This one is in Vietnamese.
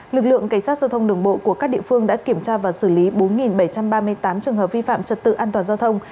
lực lượng cảnh sát giao thông đường bộ của các địa phương đã kiểm tra và xử lý bốn bảy trăm ba mươi tám trường hợp vi phạm trật tự an toàn giao thông